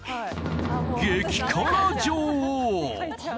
激辛女王。